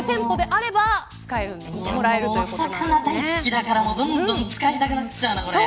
お魚大好きだから、どんどん使いたくなっちゃうな。